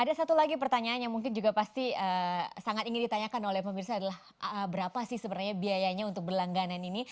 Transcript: ada satu lagi pertanyaan yang mungkin juga pasti sangat ingin ditanyakan oleh pemirsa adalah berapa sih sebenarnya biayanya untuk berlangganan ini